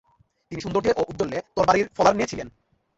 তিনি সৌন্দর্যে ও উজ্জ্বল্যে তরবারীর ফলার ন্যায় ছিলেন।